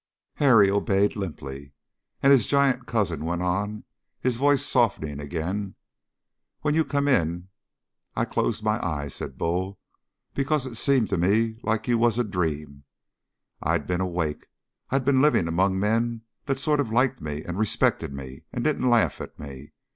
Harry obeyed limply, and his giant cousin went on, his voice softening again. "When you come in I closed my eyes," said Bull, "because it seemed to me like you was a dream. I'd been awake. I'd been living among men that sort of liked me and respected me and didn't laugh at me.